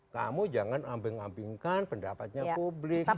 kamu jangan ambing ambingkan pendapatnya publik